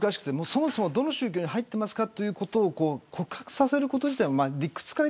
そもそもどの宗教に入っているかということを告白させること自体